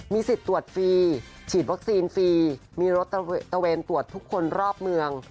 สิทธิ์ตรวจฟรีฉีดวัคซีนฟรีมีรถตะเวนตรวจทุกคนรอบเมือง